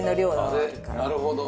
なるほど。